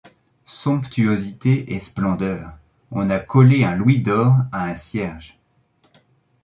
Somptuosité et splendeur! on a collé un louis d’or à un cierge.